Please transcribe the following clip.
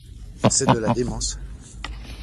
C’est de la démence!